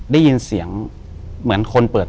อยู่ที่แม่ศรีวิรัยิลครับ